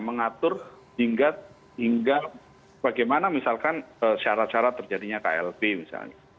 mengatur hingga bagaimana misalkan syarat syarat terjadinya klb misalnya